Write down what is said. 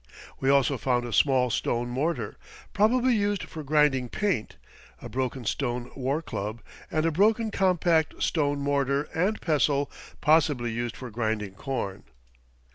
We also found a small stone mortar, probably used for grinding paint; a broken stone war club; and a broken compact stone mortar and pestle possibly used for grinding corn.